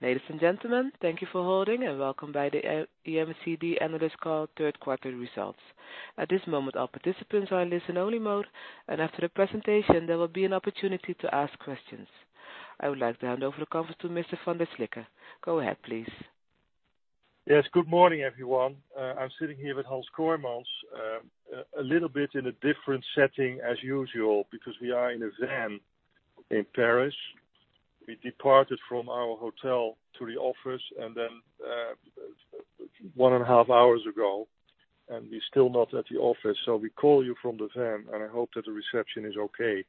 Ladies and gentlemen, thank you for holding and welcome by the IMCD Analyst Call Third Quarter Results. At this moment, all participants are in listen-only mode, and after the presentation, there will be an opportunity to ask questions. I would like to hand over the conference to Mr. van der Slikke. Go ahead, please. Yes. Good morning, everyone. I'm sitting here with Hans Kooijmans. A little bit in a different setting as usual because we are in a van in Paris. We departed from our hotel to the office one and a half hours ago, and we're still not at the office. We call you from the van, and I hope that the reception is okay.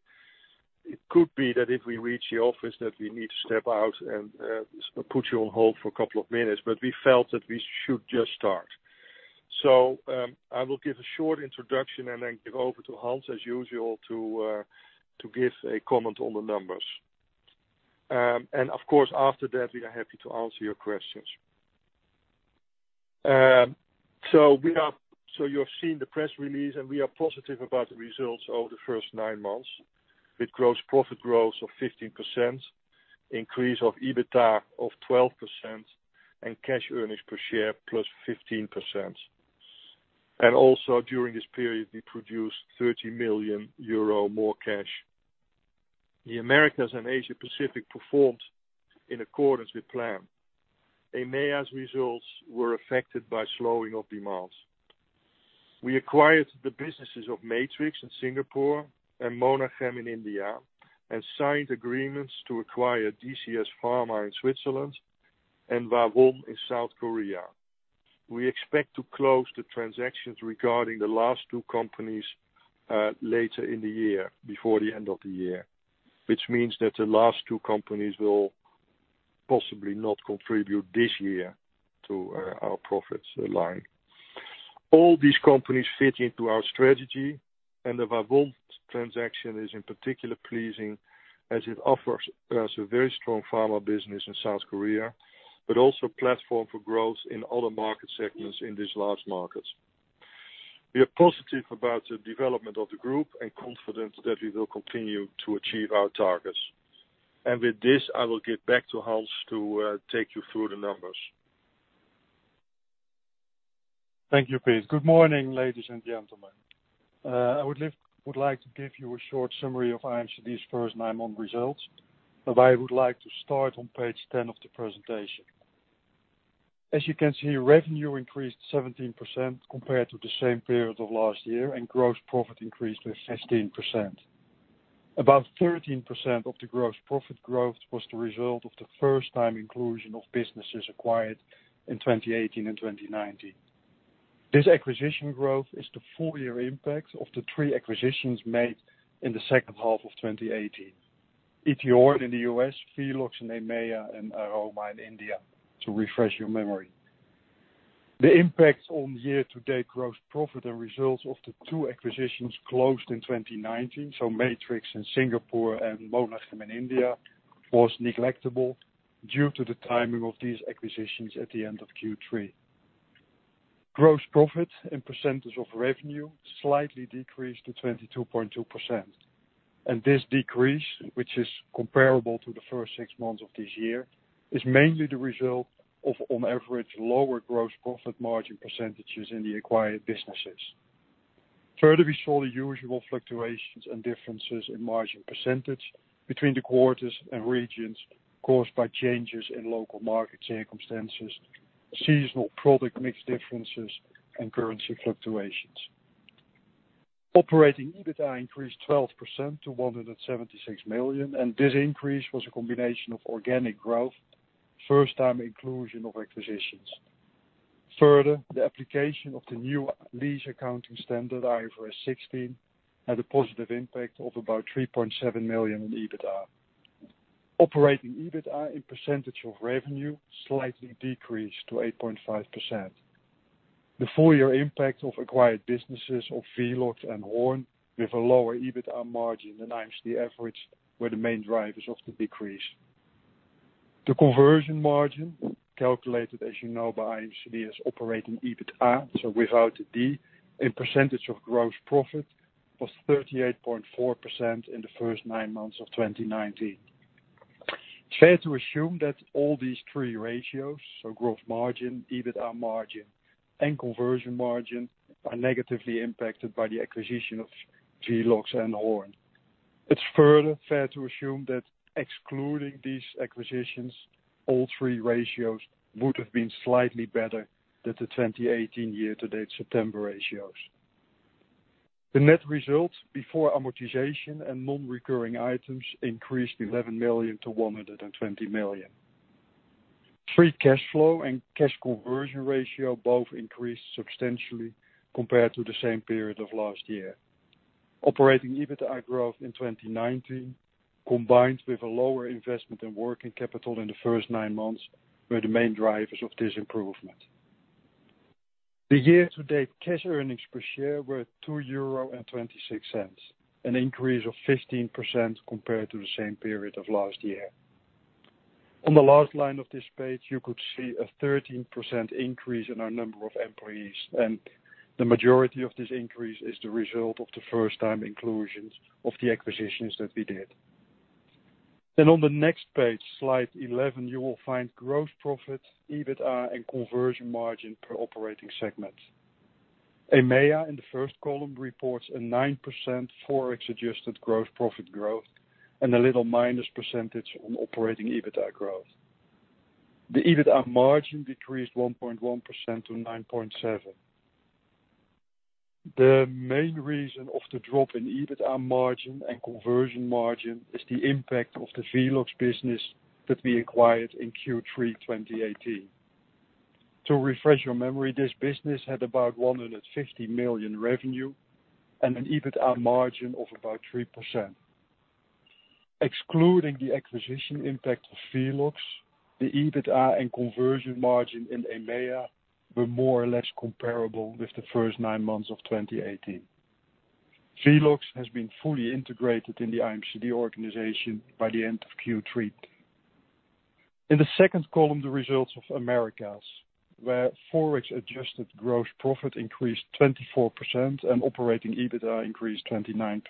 It could be that if we reach the office that we need to step out and put you on hold for a couple of minutes, but we felt that we should just start. I will give a short introduction and then give over to Hans, as usual, to give a comment on the numbers. Of course, after that, we are happy to answer your questions. You have seen the press release, and we are positive about the results over the first nine months with gross profit growth of 15%, increase of EBITDA of 12%, and cash earnings per share plus 15%. Also during this period, we produced 30 million euro more cash. The Americas and Asia Pacific performed in accordance with plan. EMEA's results were affected by slowing of demands. We acquired the businesses of Matrix in Singapore and Monachem in India and signed agreements to acquire DCS Pharma in Switzerland and Whawon in South Korea. We expect to close the transactions regarding the last two companies later in the year, before the end of the year. Which means that the last two companies will possibly not contribute this year to our profits line. All these companies fit into our strategy, and the Whawon Pharm Co. Ltd. transaction is in particular pleasing as it offers us a very strong pharma business in South Korea, but also a platform for growth in other market segments in these large markets. We are positive about the development of the group and confident that we will continue to achieve our targets. With this, I will give back to Hans to take you through the numbers. Thank you, Piet. Good morning, ladies and gentlemen. I would like to give you a short summary of IMCD's first nine-month results, and I would like to start on page 10 of the presentation. As you can see, revenue increased 17% compared to the same period of last year, and gross profit increased with 16%. About 13% of the gross profit growth was the result of the first-time inclusion of businesses acquired in 2018 and 2019. This acquisition growth is the full year impact of the three acquisitions made in the second half of 2018. E.T. Horn in the U.S., Velox in EMEA, and Aroma in India, to refresh your memory. The impact on year-to-date gross profit and results of the two acquisitions closed in 2019, so Matrix in Singapore and Monachem in India, was negligible due to the timing of these acquisitions at the end of Q3. Gross profit and percentage of revenue slightly decreased to 22.2%. This decrease, which is comparable to the first six months of this year, is mainly the result of on average lower gross profit margin percentages in the acquired businesses. Further, we saw the usual fluctuations and differences in margin percentage between the quarters and regions caused by changes in local market circumstances, seasonal product mix differences, and currency fluctuations. Operating EBITDA increased 12% to 176 million. This increase was a combination of organic growth, first-time inclusion of acquisitions. Further, the application of the new lease accounting standard, IFRS 16, had a positive impact of about 3.7 million in EBITDA. Operating EBITDA in percentage of revenue slightly decreased to 8.5%. The full year impact of acquired businesses of Velox and Horn with a lower EBITDA margin than IMCD average were the main drivers of the decrease. The conversion margin, calculated, as you know, by IMCD as operating EBITDA, so without the D, in percentage of gross profit, was 38.4% in the first nine months of 2019. It's fair to assume that all these three ratios, so gross margin, EBITDA margin, and conversion margin, are negatively impacted by the acquisition of Velox and Horn. It's further fair to assume that excluding these acquisitions, all three ratios would have been slightly better than the 2018 year-to-date September ratios. The net results before amortization and non-recurring items increased 11 million to 120 million. Free cash flow and cash conversion ratio both increased substantially compared to the same period of last year. Operating EBITDA growth in 2019, combined with a lower investment in working capital in the first nine months, were the main drivers of this improvement. The year-to-date cash earnings per share were 2.26 euro, an increase of 15% compared to the same period of last year. On the last line of this page, you could see a 13% increase in our number of employees, and the majority of this increase is the result of the first-time inclusions of the acquisitions that we did. On the next page, slide 11, you will find gross profit, EBITDA, and conversion margin per operating segment. EMEA, in the first column, reports a 9% ForEx-adjusted gross profit growth and a little minus percentage on operating EBITDA growth. The EBITDA margin decreased 1.1% to 9.7%. The main reason of the drop in EBITDA margin and conversion margin is the impact of the Velox business that we acquired in Q3 2018. To refresh your memory, this business had about 150 million revenue and an EBITDA margin of about 3%. Excluding the acquisition impact of Velox, the EBITDA and conversion margin in EMEA were more or less comparable with the first nine months of 2018. Velox has been fully integrated in the IMCD organization by the end of Q3. In the second column, the results of Americas, where ForEx-adjusted gross profit increased 24% and operating EBITDA increased 29%.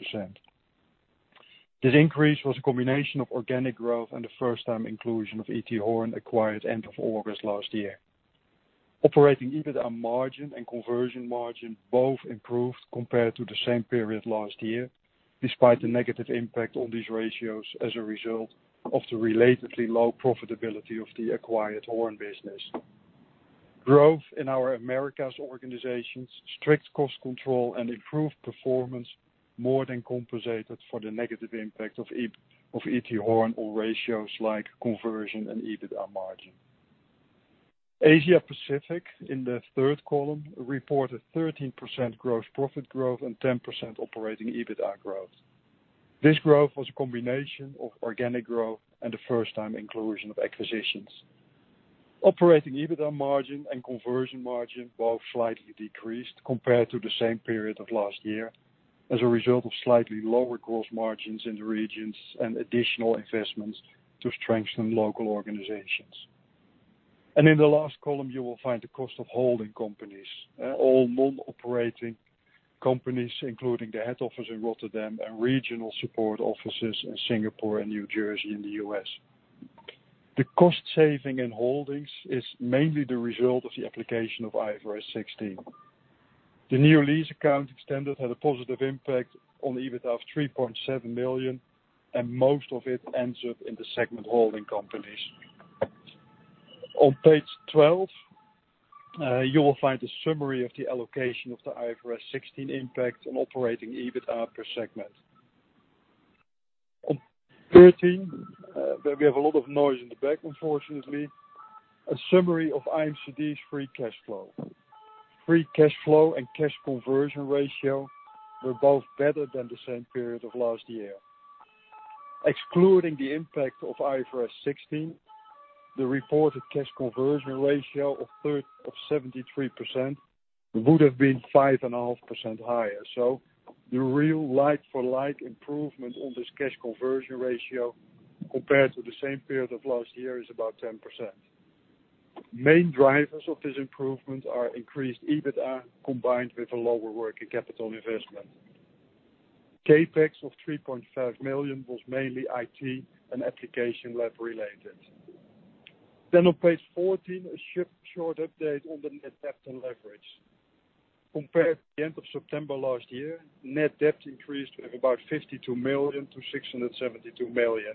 This increase was a combination of organic growth and the first-time inclusion of E.T. Horn, acquired end of August last year. Operating EBITDA margin and conversion margin both improved compared to the same period last year, despite the negative impact on these ratios as a result of the relatively low profitability of the acquired Horn business. Growth in our Americas organization's strict cost control and improved performance more than compensated for the negative impact of E.T. Horn on ratios like conversion and EBITDA margin. Asia Pacific, in the third column, reported 13% gross profit growth and 10% operating EBITDA growth. This growth was a combination of organic growth and the first-time inclusion of acquisitions. Operating EBITDA margin and conversion margin both slightly decreased compared to the same period of last year as a result of slightly lower gross margins in the regions and additional investments to strengthen local organizations. In the last column, you will find the cost of holding companies, all non-operating companies, including the head office in Rotterdam and regional support offices in Singapore and New Jersey in the U.S. The cost saving in holdings is mainly the result of the application of IFRS 16. The new lease account extended had a positive impact on EBITDA of 3.7 million, and most of it ends up in the segment holding companies. On page 12, you will find a summary of the allocation of the IFRS 16 impact on operating EBITDA per segment. On page 13, we have a lot of noise in the back, unfortunately. A summary of IMCD's free cash flow. Free cash flow and cash conversion ratio were both better than the same period of last year. Excluding the impact of IFRS 16, the reported cash conversion ratio of 73% would have been 5.5% higher. The real like-for-like improvement on this cash conversion ratio compared to the same period of last year is about 10%. Main drivers of this improvement are increased EBITDA combined with a lower working capital investment. CapEx of 3.5 million was mainly IT and application lab related. On page 14, a short update on the net debt and leverage. Compared to the end of September last year, net debt increased with about 52 million to 672 million.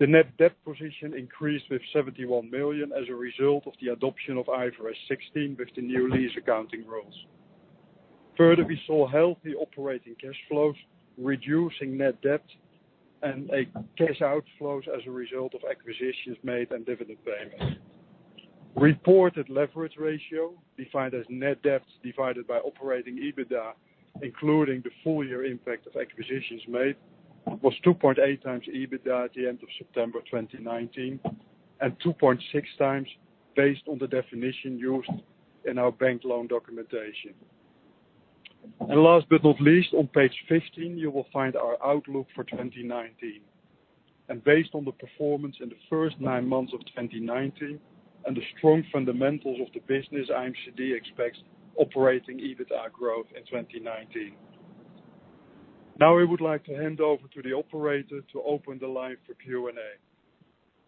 The net debt position increased with 71 million as a result of the adoption of IFRS 16 with the new lease accounting rules. We saw healthy operating cash flows, reducing net debt and cash outflows as a result of acquisitions made and dividend payments. Reported leverage ratio, defined as net debt divided by operating EBITDA, including the full year impact of acquisitions made, was 2.8x EBITDA at the end of September 2019 and 2.6x based on the definition used in our bank loan documentation. Last but not least, on page 15, you will find our outlook for 2019. Based on the performance in the first nine months of 2019 and the strong fundamentals of the business, IMCD expects operating EBITDA growth in 2019. Now, I would like to hand over to the operator to open the line for Q&A.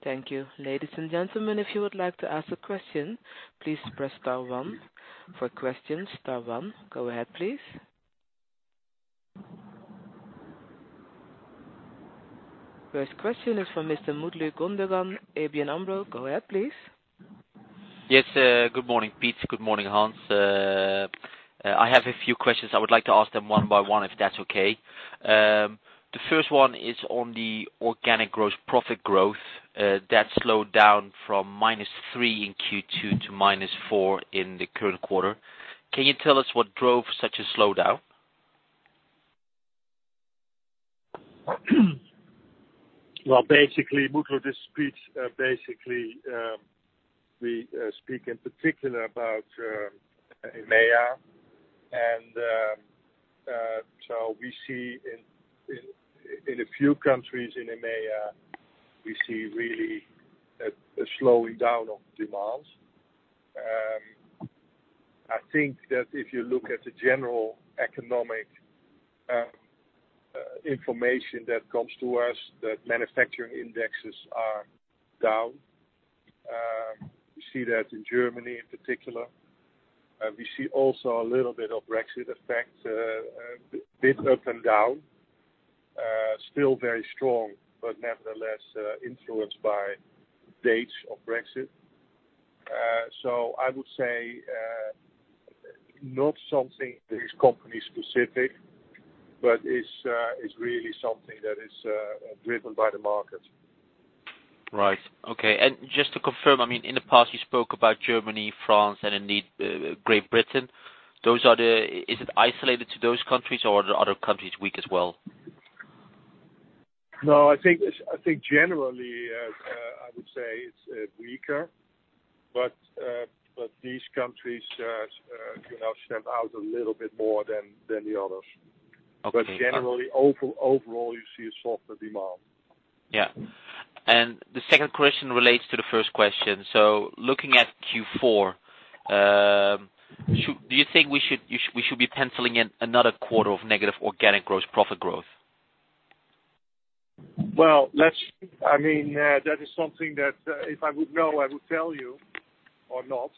Thank you. Ladies and gentlemen, if you would like to ask a question, please press star one. For questions, star one. Go ahead, please. First question is from Mr. Mutlu Gundogan, ABN AMRO. Go ahead, please. Yes. Good morning, Piet. Good morning, Hans. I have a few questions. I would like to ask them one by one, if that's okay. The first one is on the organic gross profit growth that slowed down from minus three in Q2 to minus four in the current quarter. Can you tell us what drove such a slowdown? Well, basically, Mutlu, this speech, basically, we speak in particular about EMEA. In a few countries in EMEA, we see really a slowing down of demands. I think that if you look at the general economic information that comes to us, that manufacturing indexes are down. We see that in Germany in particular. We see also a little bit of Brexit effects, a bit up and down. Still very strong, but nevertheless, influenced by dates of Brexit. I would say, not something that is company specific, but is really something that is driven by the market. Right. Okay. Just to confirm, in the past, you spoke about Germany, France, and indeed, Great Britain. Is it isolated to those countries, or are the other countries weak as well? No. I think generally, I would say it's weaker. These countries step out a little bit more than the others. Okay. Generally, overall, you see a softer demand. Yeah. The second question relates to the first question. Looking at Q4, do you think we should be penciling in another quarter of negative organic gross profit growth? That is something that if I would know, I would tell you or not.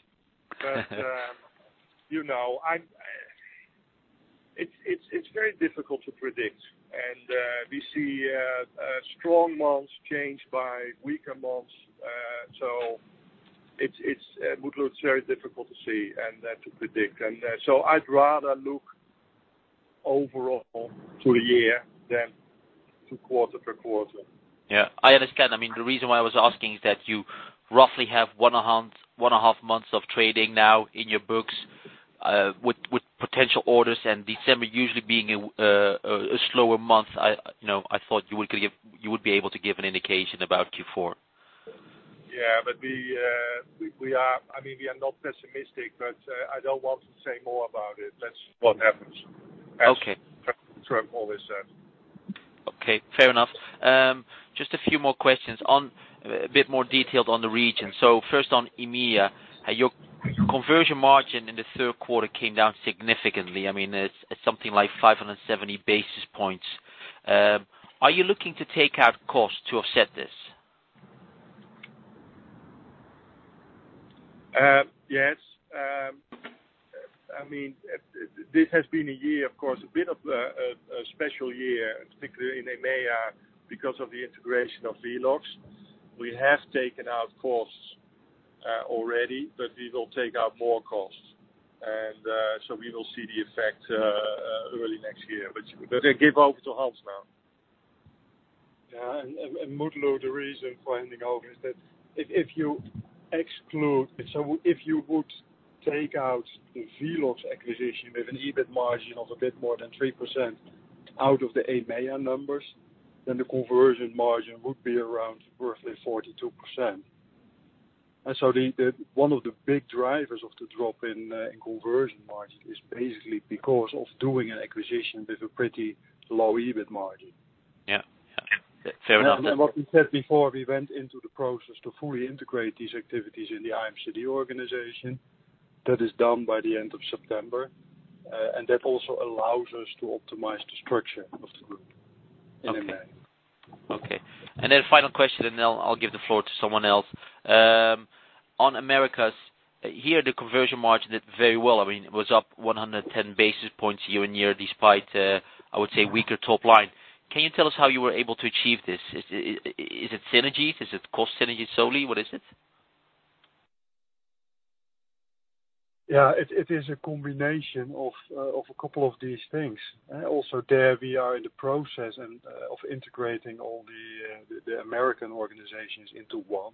It's very difficult to predict. We see strong months changed by weaker months. It's very difficult to see and to predict. I'd rather look overall to the year than to quarter per quarter. Yeah. I understand. The reason why I was asking is that you roughly have one and a half months of trading now in your books, with potential orders and December usually being a slower month. I thought you would be able to give an indication about Q4. Yeah. We are not pessimistic, but I don't want to say more about it. That's what happens. Okay. As I've always said. Okay. Fair enough. Just a few more questions. A bit more detailed on the region. First on EMEA, your conversion margin in the third quarter came down significantly. It's something like 570 basis points. Are you looking to take out costs to offset this? Yes. This has been, of course, a bit of a special year, particularly in EMEA, because of the integration of Velox. We have taken out costs already, but we will take out more costs. We will see the effect early next year. I give over to Hans now. Yeah. Mutlu, the reason for handing over is that if you would take out the Velox acquisition with an EBIT margin of a bit more than 3% out of the EMEA numbers, the conversion margin would be around roughly 42%. One of the big drivers of the drop in conversion margin is basically because of doing an acquisition with a pretty low EBIT margin. Yeah. Fair enough. What we said before, we went into the process to fully integrate these activities in the IMCD organization. That is done by the end of September. That also allows us to optimize the structure of the group in EMEA. Okay. Then final question, then I'll give the floor to someone else. On Americas, here, the conversion margin did very well. It was up 110 basis points year-on-year despite, I would say, weaker top line. Can you tell us how you were able to achieve this? Is it synergies? Is it cost synergies solely? What is it? Yeah. It is a combination of a couple of these things. Also there, we are in the process of integrating all the American organizations into one.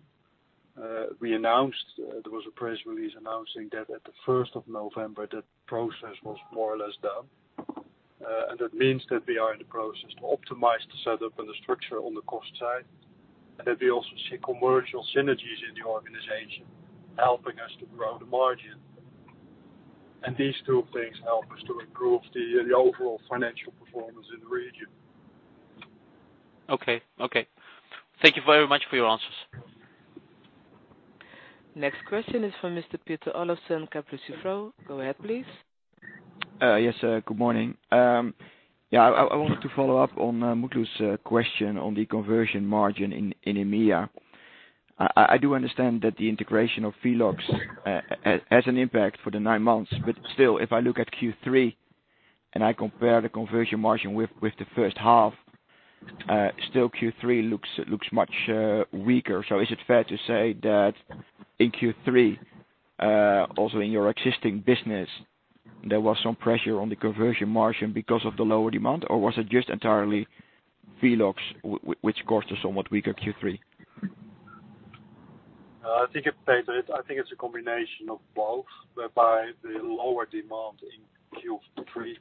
There was a press release announcing that at the 1st of November, that process was more or less done. That means that we are in the process to optimize the setup and the structure on the cost side, and that we also see commercial synergies in the organization helping us to grow the margin. These two things help us to improve the overall financial performance in the region. Okay. Thank you very much for your answers. Next question is from Mr. Peter Olofsen, Kepler Cheuvreux. Go ahead, please. Yes, good morning. I wanted to follow up on Mutlu's question on the conversion margin in EMEA. I do understand that the integration of Velox has an impact for the nine months. Still, if I look at Q3, and I compare the conversion margin with the first half, still Q3 looks much weaker. Is it fair to say that in Q3, also in your existing business, there was some pressure on the conversion margin because of the lower demand? Was it just entirely Velox, which caused a somewhat weaker Q3? I think it's a combination of both, whereby the lower demand in Q3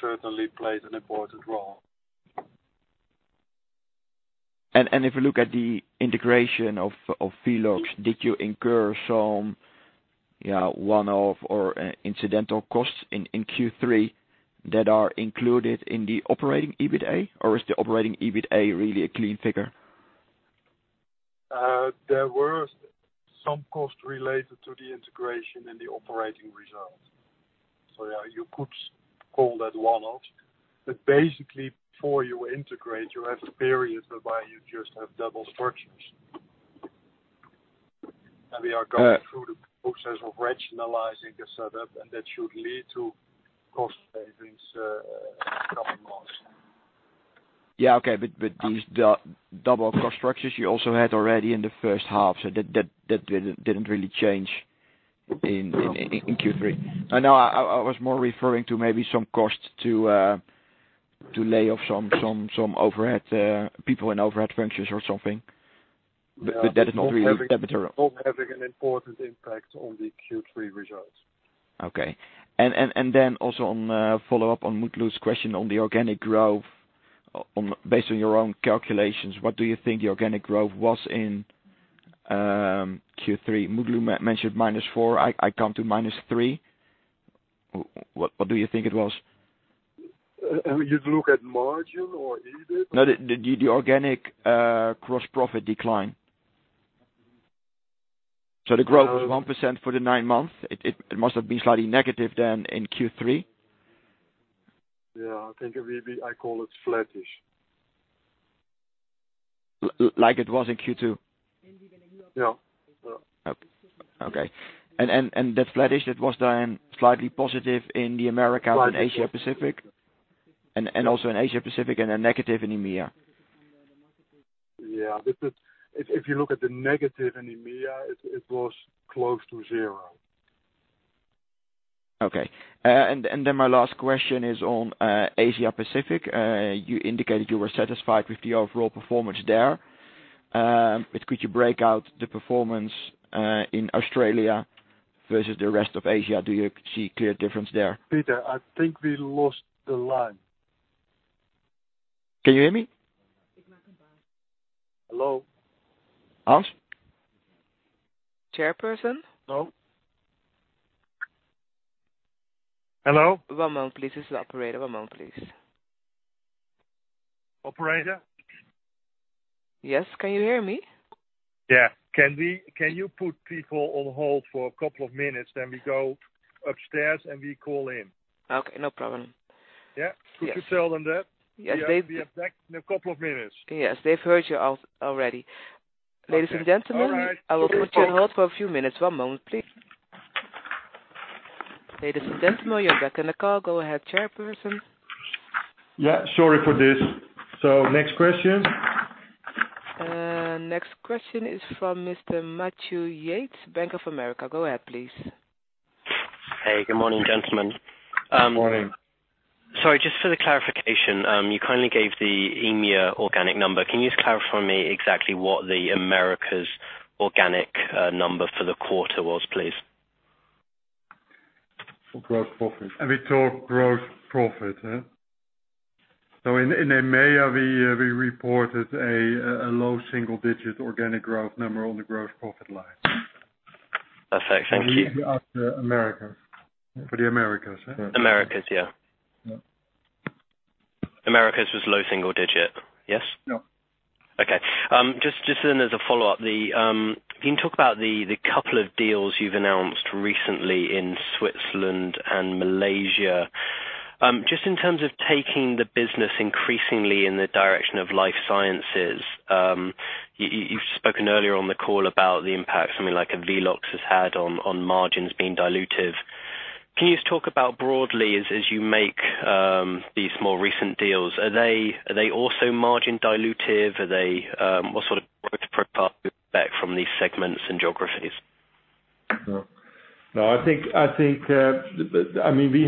certainly played an important role. If you look at the integration of Velox, did you incur some one-off or incidental costs in Q3 that are included in the operating EBITA, or is the operating EBITA really a clean figure? There were some costs related to the integration and the operating results. Yeah, you could call that one-off. Basically, before you integrate, you have a period whereby you just have double structures. We are going through the process of rationalizing the setup, and that should lead to cost savings coming months. Yeah. Okay. These double cross structures you also had already in the first half, so that didn't really change in Q3. No, I was more referring to maybe some cost to lay off some overhead, people in overhead functions or something. That is not really capital. Both having an important impact on the Q3 results. Okay. Then also on follow-up on Mutlu's question on the organic growth. Based on your own calculations, what do you think the organic growth was in Q3? Mutlu mentioned minus four, I come to minus three. What do you think it was? You look at margin or EBIT? No, the organic gross profit decline. The growth was 1% for the nine months. It must have been slightly negative then in Q3. Yeah. I think maybe I call it flattish. Like it was in Q2? Yeah. Okay. That flattish, it was then slightly positive in the America and Asia Pacific, and also in Asia Pacific and then negative in EMEA? Yeah. If you look at the negative in EMEA, it was close to zero. Okay. My last question is on Asia Pacific. You indicated you were satisfied with the overall performance there. Could you break out the performance in Australia versus the rest of Asia? Do you see clear difference there? Peter, I think we lost the line. Can you hear me? Hello? Hans? Chairperson? Hello? Hello? One moment please. This is the operator. One moment, please. Operator? Yes, can you hear me? Yeah. Can you put people on hold for a couple of minutes, then we go upstairs and we call in. Okay, no problem. Yeah. Could you tell them that? Yes. We'll be back in a couple of minutes. Yes, they've heard you already. Okay. All right. Ladies and gentlemen, I will put you on hold for a few minutes. One moment, please. Ladies and gentlemen, you are back in the call. Go ahead, Chairperson. Yeah, sorry for this. Next question. Next question is from Mr. Matthew Yates, Bank of America. Go ahead, please. Hey, good morning, gentlemen. Good morning. Sorry, just for the clarification. You kindly gave the EMEA organic number. Can you just clarify for me exactly what the Americas organic number for the quarter was, please? For gross profit. We talk gross profit. In EMEA, we reported a low single-digit organic growth number on the gross profit line. Perfect. Thank you. You need to ask the Americas. For the Americas. Americas, yeah. Yeah. Americas was low single digit, yes? Yeah. Okay. Just as a follow-up, can you talk about the couple of deals you've announced recently in Switzerland and Malaysia. Just in terms of taking the business increasingly in the direction of life sciences. You've spoken earlier on the call about the impact something like a Velox has had on margins being dilutive. Can you just talk about broadly as you make these more recent deals, are they also margin dilutive? What sort of back from these segments and geographies? We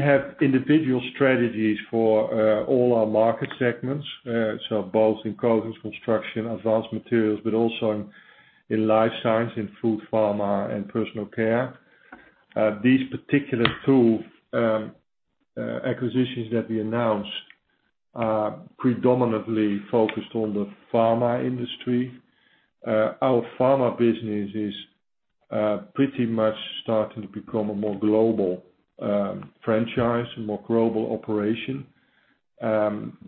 have individual strategies for all our market segments. Both in coatings, construction, advanced materials, but also in life science, in food, pharma, and personal care. These particular two acquisitions that we announced are predominantly focused on the pharma industry. Our pharma business is pretty much starting to become a more global franchise, a more global operation.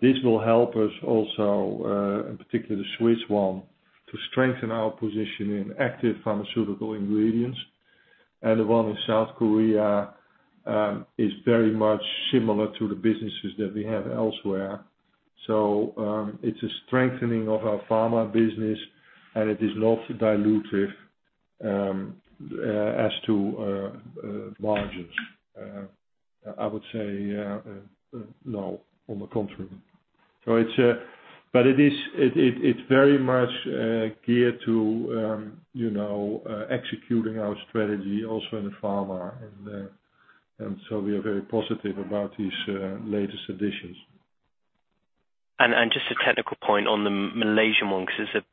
This will help us also, in particular the Swiss one, to strengthen our position in active pharmaceutical ingredients. The one in South Korea, is very much similar to the businesses that we have elsewhere. It's a strengthening of our pharma business, and it is not dilutive as to margins. I would say no, on the contrary. It's very much geared to executing our strategy also in the pharma and so we are very positive about these latest additions. Just a technical point on the Malaysian one, because it's a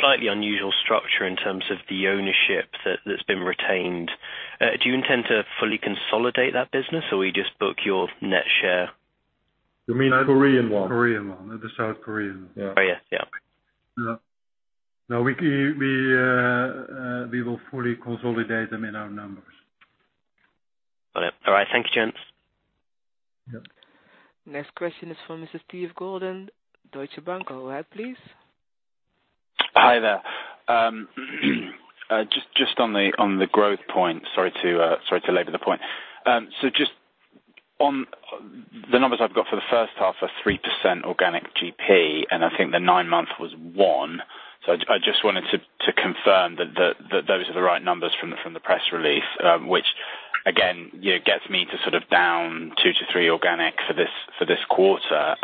slightly unusual structure in terms of the ownership that's been retained. Do you intend to fully consolidate that business, or will you just book your net share? You mean Korean one. Korean one. The South Korean one. Yes. No, we will fully consolidate them in our numbers. Got it. All right. Thank you, gents. Yep. Next question is from Mr. Steve Golden, Deutsche Bank. Go ahead, please. Hi, there. Just on the growth point. Sorry to labor the point. Just on the numbers I've got for the first half are 3% organic GP, and I think the 9-month was 1. I just wanted to confirm that those are the right numbers from the press release, which again, gets me to sort of down 2-3 organic for this quarter.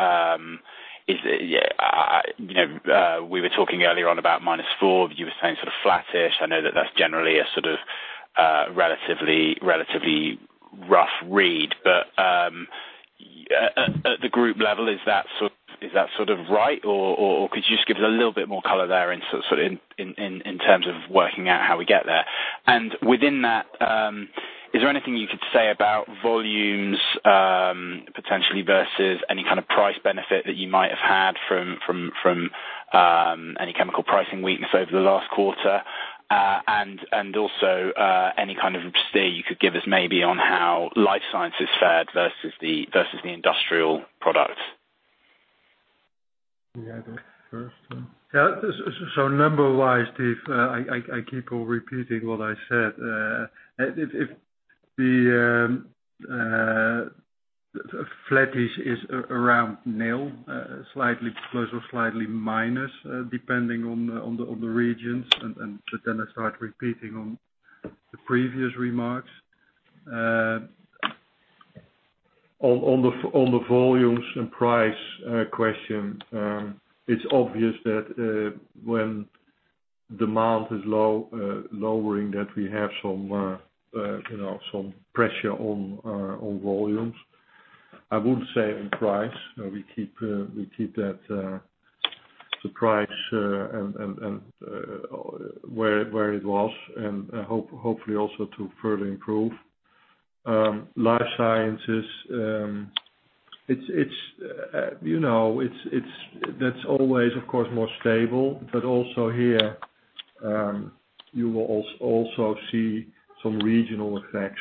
We were talking earlier on about minus 4. You were saying sort of flattish. I know that that's generally a sort of relatively rough read. At the group level, is that sort of right, or could you just give us a little bit more color there in terms of working out how we get there? Within that, is there anything you could say about volumes, potentially versus any kind of price benefit that you might have had from any chemical pricing weakness over the last quarter? Also, any kind of steer you could give us maybe on how life science has fared versus the industrial products. Number wise, Steve, I keep on repeating what I said. If the flattish is around nil, slightly plus or slightly minus, depending on the regions, then I start repeating on the previous remarks. On the volumes and price question, it's obvious that when demand is lowering, that we have some pressure on volumes. I wouldn't say on price. We keep the price where it was, hopefully also to further improve. Life sciences, that's always, of course, more stable. Also here, you will also see some regional effects.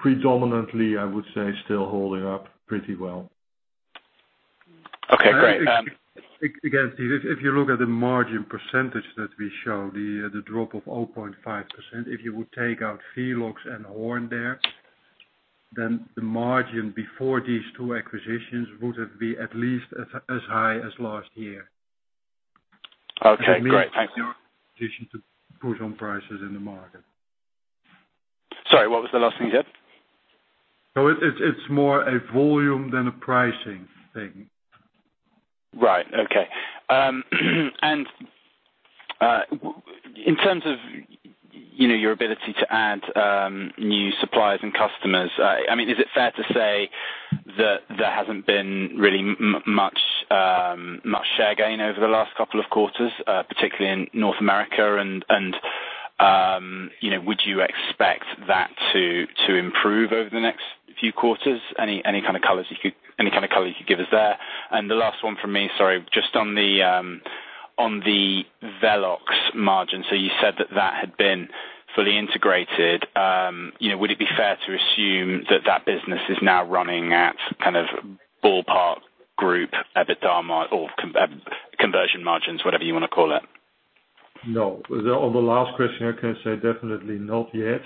Predominantly, I would say, still holding up pretty well. Okay, great. Again, Steve, if you look at the margin percentage that we show, the drop of 0.5%, if you would take out Velox and Horn there, then the margin before these two acquisitions would have been at least as high as last year. Okay, great. Thanks. To push on prices in the market. Sorry, what was the last thing you said? It's more a volume than a pricing thing. Right. Okay. In terms of your ability to add new suppliers and customers, is it fair to say that there hasn't been really much share gain over the last couple of quarters, particularly in North America, and would you expect that to improve over the next few quarters? Any kind of color you could give us there? The last one from me, sorry, just on the Velox margin. You said that that had been fully integrated. Would it be fair to assume that that business is now running at kind of ballpark group EBITDA or conversion margins, whatever you want to call it? No. On the last question, I can say definitely not yet.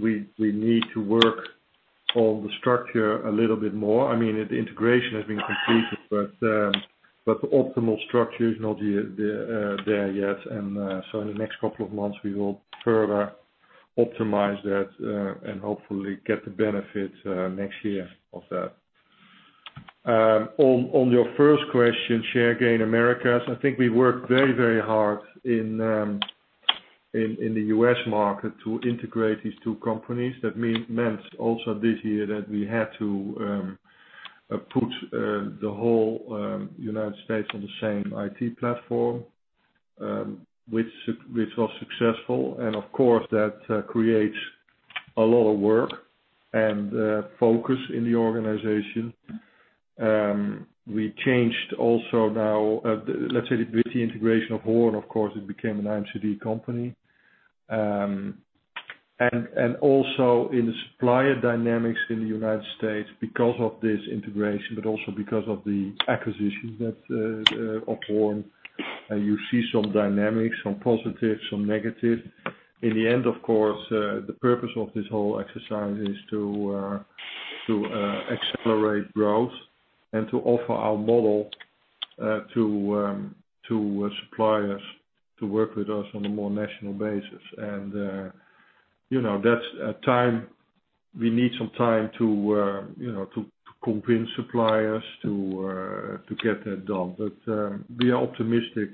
We need to work on the structure a little bit more. The integration has been completed, but the optimal structure is not there yet. In the next couple of months, we will further optimize that, and hopefully get the benefit next year of that. On your first question, share gain Americas, I think we worked very, very hard in the U.S. market to integrate these two companies. That meant also this year that we had to put the whole United States on the same IT platform, which was successful. Of course, that creates a lot of work and focus in the organization. We changed also now, let's say with the integration of Horn, of course, it became an IMCD company. Also in the supplier dynamics in the U.S. because of this integration, but also because of the acquisition of Horn, you see some dynamics, some positive, some negative. In the end, of course, the purpose of this whole exercise is to accelerate growth and to offer our model to suppliers to work with us on a more national basis. We need some time to convince suppliers to get that done. We are optimistic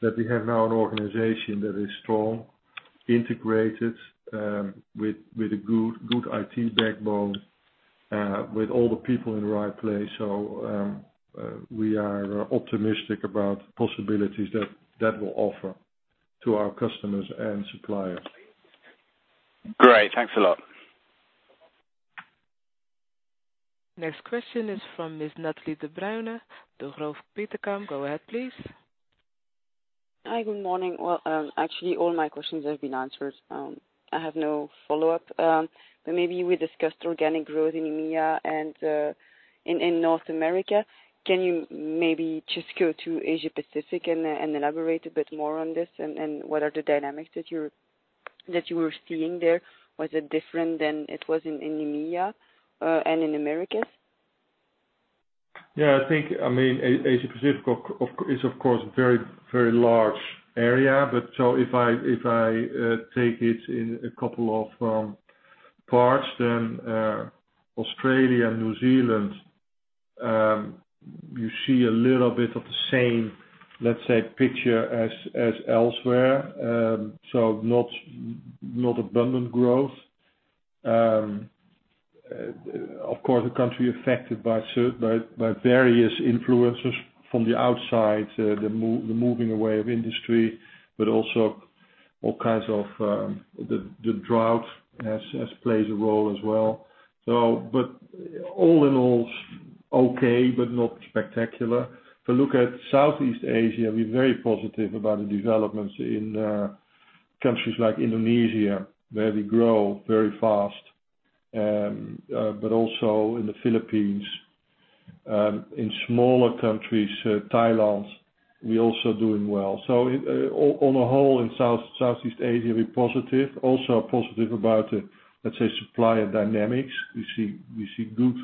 that we have now an organization that is strong, integrated, with a good IT backbone, with all the people in the right place. We are optimistic about possibilities that will offer to our customers and suppliers. Great. Thanks a lot. Next question is from Ms. Nathalie de Bruyne, Degroof Petercam. Go ahead, please. Hi, good morning. Well, actually all my questions have been answered. I have no follow-up. Maybe we discussed organic growth in EMEA and in North America. Can you maybe just go to Asia-Pacific and elaborate a bit more on this? What are the dynamics that you were seeing there? Was it different than it was in EMEA and in Americas? I think, Asia-Pacific is, of course, very large area. If I take it in a couple of parts, then Australia and New Zealand, you see a little bit of the same, let's say, picture as elsewhere. Not abundant growth. Of course, a country affected by various influences from the outside, the moving away of industry, but also all kinds of the drought has plays a role as well. All in all, okay, but not spectacular. If you look at Southeast Asia, we're very positive about the developments in countries like Indonesia, where we grow very fast. Also in the Philippines, in smaller countries, Thailand, we also doing well. On a whole in Southeast Asia, we're positive. Also are positive about, let's say, supplier dynamics. We see good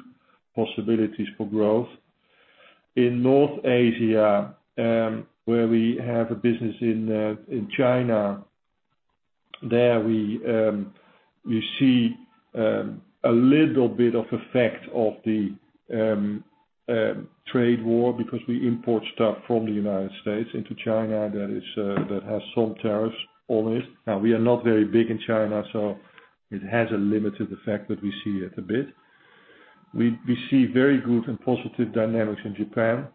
possibilities for growth. In North Asia, where we have a business in China, there we see a little bit of effect of the trade war because we import stuff from the U.S. into China that has some tariffs on it. We are not very big in China, so it has a limited effect, but we see it a bit. We see very good and positive dynamics in Japan.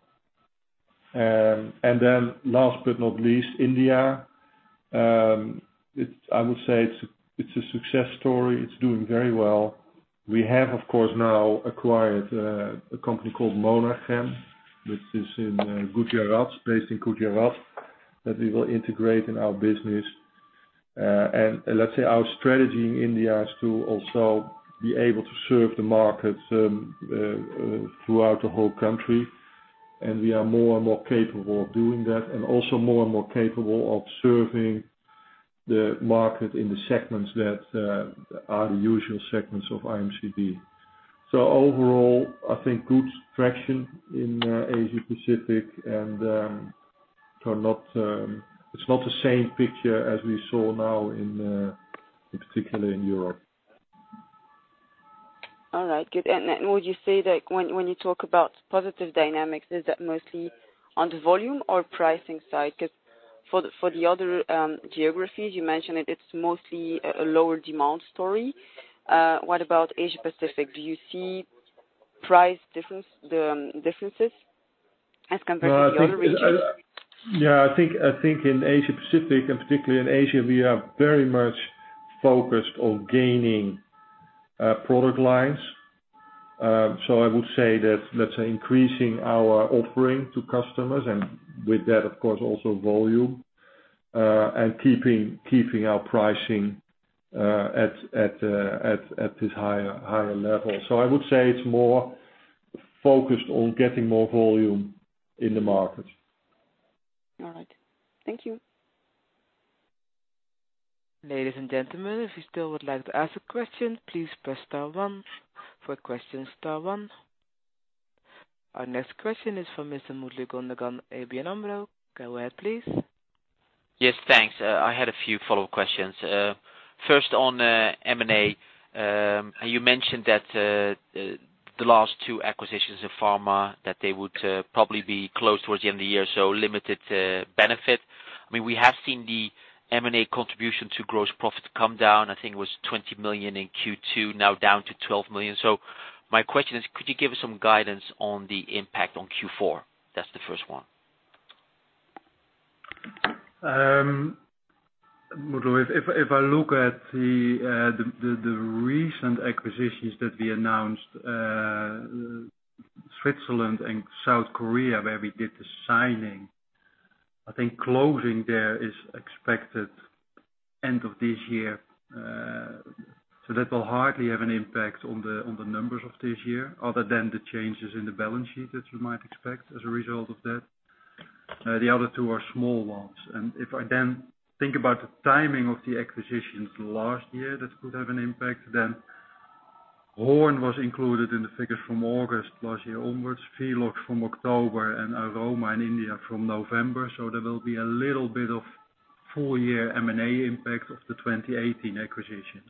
Last but not least, India. I would say it's a success story. It's doing very well. We have, of course, now acquired a company called Monachem, which is based in Gujarat, that we will integrate in our business. Let's say our strategy in India is to also be able to serve the markets throughout the whole country, and we are more and more capable of doing that. Also more and more capable of serving the market in the segments that are the usual segments of IMCD. Overall, I think good traction in Asia-Pacific, and it's not the same picture as we saw now in particular in Europe. All right, good. Would you say that when you talk about positive dynamics, is that mostly on the volume or pricing side? For the other geographies, you mentioned that it's mostly a lower demand story. What about Asia-Pacific? Do you see price differences as compared to the other regions? Yeah, I think in Asia-Pacific, and particularly in Asia, we are very much focused on gaining product lines. I would say that, let's say, increasing our offering to customers and with that, of course, also volume, and keeping our pricing at this higher level. I would say it's more focused on getting more volume in the market. All right. Thank you. Ladies and gentlemen, if you still would like to ask a question, please press star one. For questions, star one. Our next question is from Mr. Mutlu Gundogan, ABN AMRO. Go ahead, please. Yes, thanks. I had a few follow-up questions. First on M&A, you mentioned that the last two acquisitions of pharma, that they would probably be closed towards the end of the year, so limited benefit. We have seen the M&A contribution to gross profit come down. I think it was 20 million in Q2, now down to 12 million. My question is, could you give us some guidance on the impact on Q4? That's the first one. Mutlu Gundogan, if I look at the recent acquisitions that we announced, Switzerland and South Korea, where we did the signing, I think closing there is expected end of this year. That will hardly have an impact on the numbers of this year, other than the changes in the balance sheet that you might expect as a result of that. The other two are small ones. If I then think about the timing of the acquisitions last year, that could have an impact then. Horn was included in the figures from August last year onwards, Velox from October, and Aroma in India from November. There will be a little bit of full-year M&A impact of the 2018 acquisitions.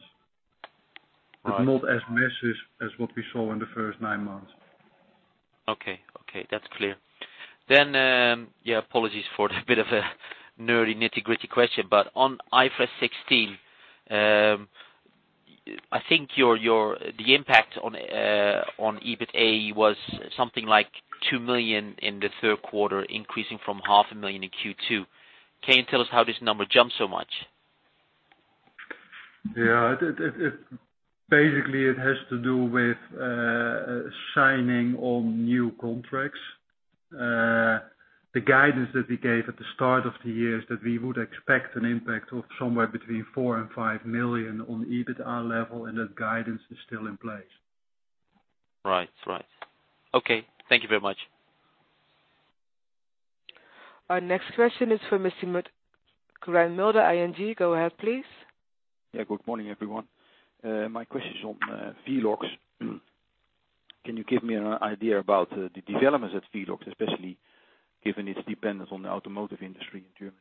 Right. Not as massive as what we saw in the first nine months. Okay. That's clear. Yeah, apologies for the bit of a nerdy, nitty-gritty question, but on IFRS 16, I think the impact on EBITA was something like 2 million in the third quarter, increasing from EUR half a million in Q2. Can you tell us how this number jumped so much? Yeah. Basically, it has to do with signing on new contracts. The guidance that we gave at the start of the year is that we would expect an impact of somewhere between 4 million and 5 million on the EBITDA level. That guidance is still in place. Right. Okay. Thank you very much. Our next question is for Mr. Karel Mulder, ING. Go ahead, please. Yeah. Good morning, everyone. My question is on Velox. Can you give me an idea about the developments at Velox, especially given its dependence on the automotive industry in Germany?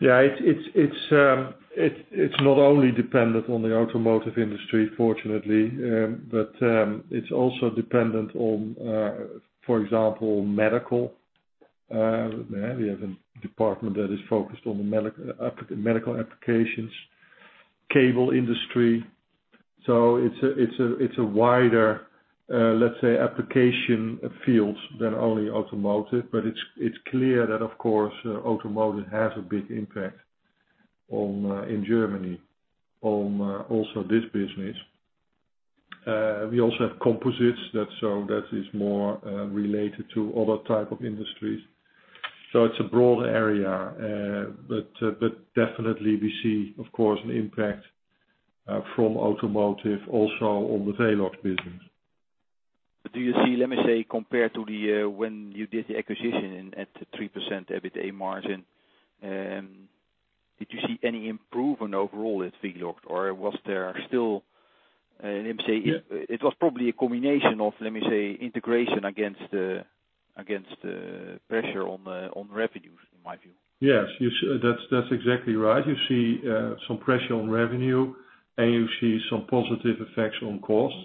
Yeah, it's not only dependent on the automotive industry, fortunately. It's also dependent on, for example, medical. We have a department that is focused on medical applications, cable industry. It's a wider, let's say, application field than only automotive. It's clear that, of course, automotive has a big impact in Germany on also this business. We also have composites, so that is more related to other type of industries. It's a broad area. Definitely we see, of course, an impact from automotive also on the Velox business. Do you see, let me say, compared to when you did the acquisition at 3% EBITDA margin, did you see any improvement overall at Velox? Or was there still, let me say, it was probably a combination of, let me say, integration against pressure on revenues, in my view. Yes. That's exactly right. You see some pressure on revenue, and you see some positive effects on costs.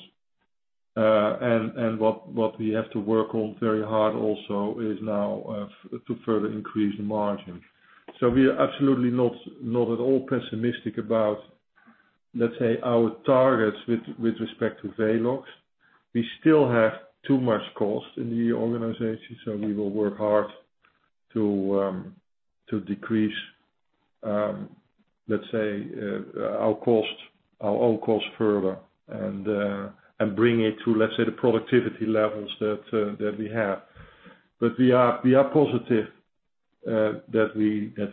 What we have to work on very hard also is now to further increase the margin. We are absolutely not at all pessimistic about, let's say, our targets with respect to Velox. We still have too much cost in the organization, so we will work hard to decrease, let's say, our own costs further and bring it to, let's say, the productivity levels that we have. We are positive that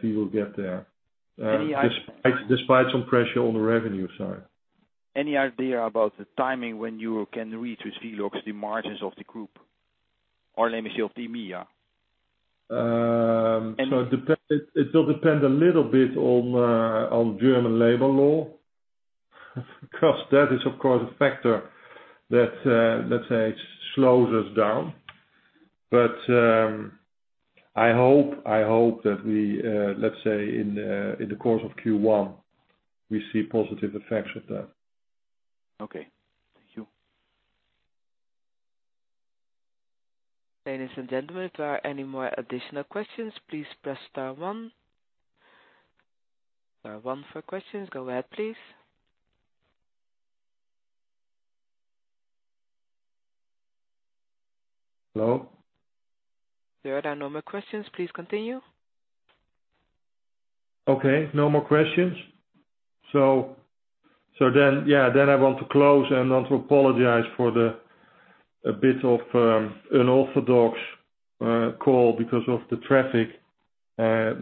we will get there, despite some pressure on the revenue side. Any idea about the timing when you can reach with Velox the margins of the group, let me say, the median? It will depend a little bit on German labor law because that is of course a factor that, let's say, slows us down. I hope that we, let's say, in the course of Q1, we see positive effects of that. Okay. Thank you. Ladies and gentlemen, if there are any more additional questions, please press star one. Star one for questions. Go ahead, please. Hello? There are no more questions. Please continue. No more questions. I want to close and also apologize for the bit of unorthodox call because of the traffic,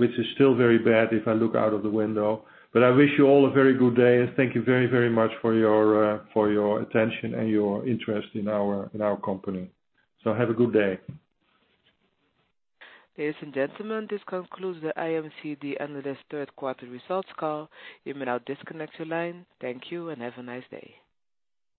which is still very bad if I look out of the window. I wish you all a very good day and thank you very much for your attention and your interest in our company. Have a good day. Ladies and gentlemen, this concludes the IMCD Analysts Third Quarter Results call. You may now disconnect your line. Thank you and have a nice day.